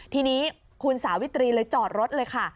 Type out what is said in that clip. ทีนี้คุณสาวิตรีเลยจอดรถเลยค่ะ